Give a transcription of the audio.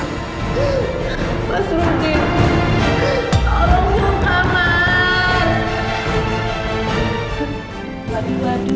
mas rudi tolong buka mas